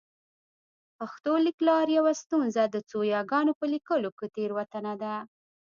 پښتو لیکلار یوه ستونزه د څو یاګانو په لیکلو کې تېروتنه ده